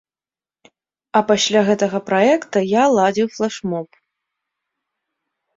А пасля гэтага праекта я ладзіў флэш-моб.